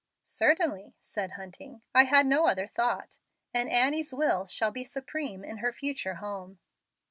"Certainly," said Hunting. "I had no other thought; and Annie's will shall be supreme in her future home."